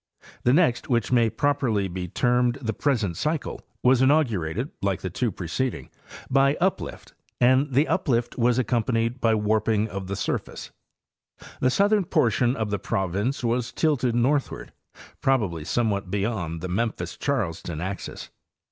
The next, which may properly be termed the Present cycle, was inaugurated, like the two preceding, by uplift, and the uplift was accompanied by warping of the surface. The southern portion of the province was tilted northward, prob ably somewhat beyond the Memphis Charleston axis.